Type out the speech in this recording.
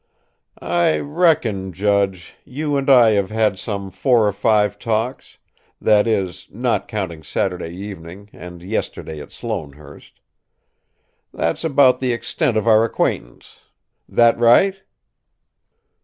"I reckon, judge, you and I have had some four or five talks that is, not counting Saturday evening and yesterday at Sloanehurst. That's about the extent of our acquaintance. That right?"